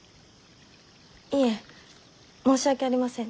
いえ申し訳ありません。